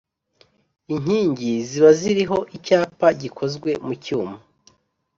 Inkingi ziba ziriho icyapa gikozwe mu cyuma